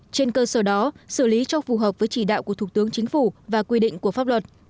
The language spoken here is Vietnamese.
trên cơ sở đó xử lý cho phù hợp với chỉ đạo của thủ tướng chính phủ và quy định của pháp luật